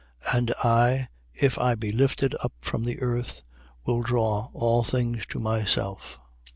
12:32. And I, if I be lifted up from the earth, will draw all things to myself.